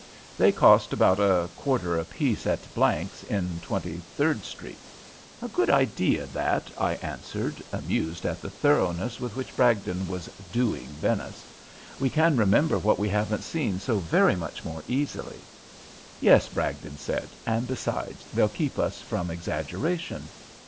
They cost about a quarter apiece at Blank's, in Twenty third Street." "A good idea that," I answered, amused at the thoroughness with which Bragdon was "doing" Venice. "We can remember what we haven't seen so very much more easily." "Yes," Bragdon said, "and besides, they'll keep us from exaggeration."